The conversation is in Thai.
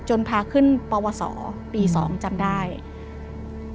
พาขึ้นปวสอปีสองจำได้